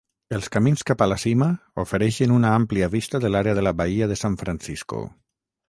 Els camins cap a la cima ofereixen una àmplia vista de l'Àrea de la Bahia de San Francisco.